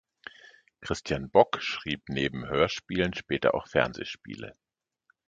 Christian Bock schrieb neben Hörspielen später auch Fernsehspiele.